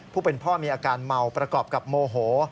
ผู้เป็นพ่อมีอาการเมาประกอบกับโมโห